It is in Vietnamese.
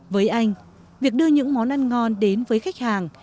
với anh việc đưa những món ăn ngon đến với khách hàng